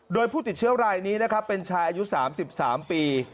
โดยผู้ติดเชื้อรายนี้นะครับเป็นชายอายุ๓๓ปี